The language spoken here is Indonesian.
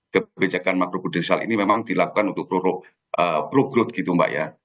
kebijakan makrobudursal ini memang dilakukan untuk pro growth gitu mbak ya